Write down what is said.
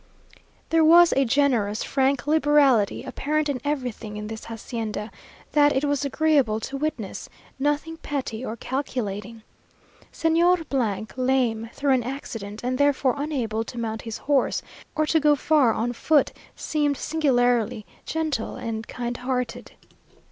There was a generous, frank liberality apparent in everything in this hacienda, that it was agreeable to witness; nothing petty or calculating. Señor , lame through an accident, and therefore unable to mount his horse, or to go far on foot, seemed singularly gentle and kind hearted.